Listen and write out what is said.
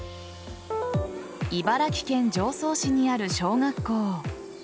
茨城県常総市にある小学校。